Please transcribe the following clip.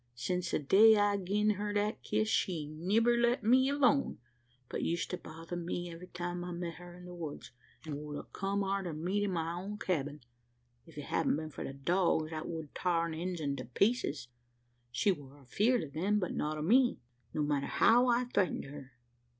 Since the day I gin her that kiss, she'd niver let me alone, but used to bother me every time I met her in the woods; an' would a come arter me to my own cabin, if it hadn't been for the dogs, that wud tar an Injun to pieces. She war afeerd o' them but not o' me, no matter how I thraitened her.